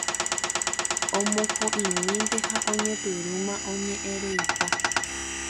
Omokõ'imínte ha oñepyrũma oñe'ẽreipa.